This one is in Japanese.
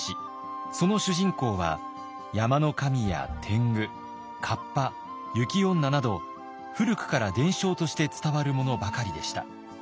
その主人公は山の神や天狗河童雪女など古くから伝承として伝わるものばかりでした。